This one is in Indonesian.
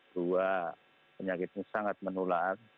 dua penyakitnya sangat menular